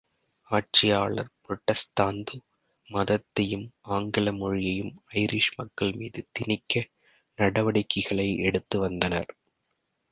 ஆட்சியாளர் புரட்டஸ்தாந்து மதத்தையும் ஆங்கில மொழியையும் ஐரிஷ் மக்கள் மீது திணிக்க நடவடிக்கைகளை எடுத்து வந்தனர்.